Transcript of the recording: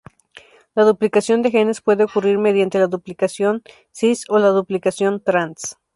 La duplicación de genes puede ocurrir mediante la duplicación cis o la duplicación trans.